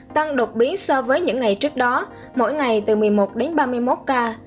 tăng đột biến so với những ngày trước đó mỗi ngày từ một mươi một đến ba mươi một ca